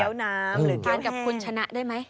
เกี้ยวน้ำหรือเกี้ยวกับคุณชนะได้ไหม